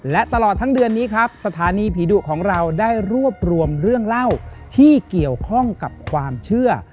และตลอดทั้งเดือนนี้ครับสถานีผีดุของเราได้รวบรวมเรื่องเล่าที่เกี่ยวข้องกับความเชื่อ